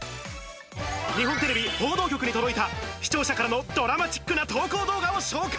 日本テレビ報道局に届いた、視聴者からのドラマチックな投稿動画を紹介。